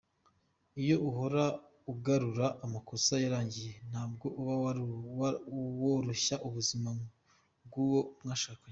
Iyo uhora ugarura amakosa yarangiye ntabwo uba woroshya ubuzima bw’uwo mwashakanye.